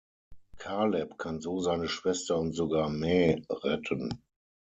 Caleb kann so seine Schwester und sogar Mae retten.